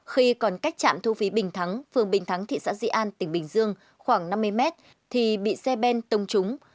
khi còn cách trạm thu phí bình thắng phường bình thắng thị xã di an tỉnh bình dương khoảng năm mươi mét thì bị xe ben tông trúng